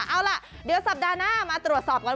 เอาล่ะเดี๋ยวสัปดาห์หน้ามาตรวจสอบกัน